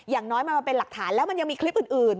อย่างน้อยมันมาเป็นหลักฐานแล้วมันยังมีคลิปอื่น